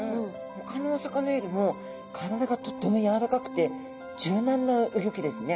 ほかのお魚よりも体がとっても柔らかくて柔軟なうギョきですね。